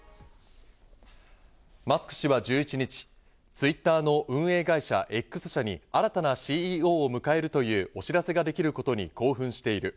マスク氏は１１日、ツイッターの運営会社Ｘ社に新たなＣＥＯを迎えるというお知らせができることに興奮している。